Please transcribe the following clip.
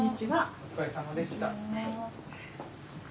お疲れさまでした。